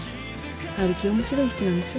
陽樹面白い人なんでしょ？